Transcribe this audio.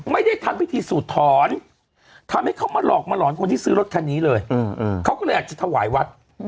ไม่ได้ทำพิธีสูดถอนทำให้เขามาหลอกมาหลอนคนที่ซื้อรถคันนี้เลยเขาก็เลยอาจจะถวายวัด